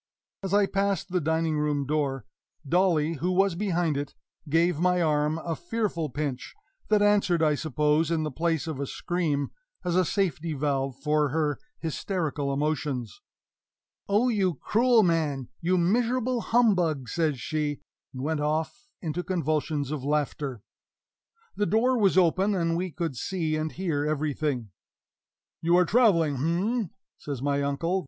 As I passed the dining room door, Dolly, who was behind it, gave my arm a fearful pinch that answered, I suppose, in the place of a scream, as a safety valve for her hysterical emotions. "Oh, you cruel man you miserable humbug!" says she; and went off into convulsions of laughter. The door was open, and we could see and hear everything. "You are traveling, h'm?" says my uncle.